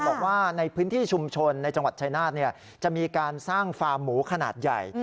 บอกว่าในพื้นที่ชุมชนในจังหวัดชายนาฏจะมีการสร้างฟาร์มหมูขนาดใหญ่